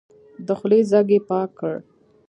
د خولې ځګ يې پاک کړ.